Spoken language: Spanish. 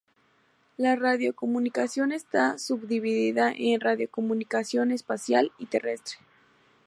La radiocomunicación está subdividida en radiocomunicación espacial y terrestre.